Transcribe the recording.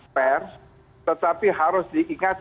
per tetapi harus diingat